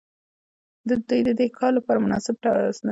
دوی ددې کار لپاره مناسب نصاب ټاکي.